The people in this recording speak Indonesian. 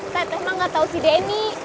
teteh mah gak tau si denny